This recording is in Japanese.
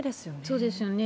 そうですよね。